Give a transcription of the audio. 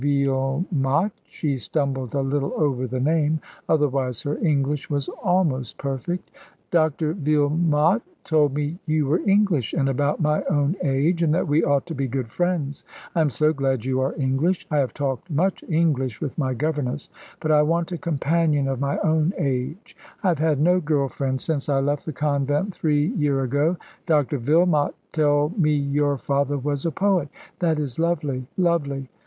Veelmot" she stumbled a little over the name, otherwise her English was almost perfect; "Dr. Vilmot told me you were English, and about my own age, and that we ought to be good friends. I am so glad you are English. I have talked much English with my governess, but I want a companion of my own age. I have had no girl friend since I left the Convent three year ago. Dr Vilmot tell me your father was a poet. That is lovely, lovely.